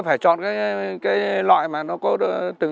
phải chọn cái loại